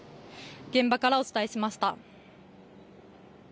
現場からお伝えしました。